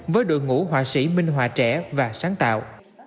với đội ngũ họa sĩ minh họa trẻ và sáng tạo